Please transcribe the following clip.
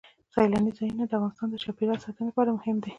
سیلاني ځایونه د افغانستان د چاپیریال ساتنې لپاره مهم دي.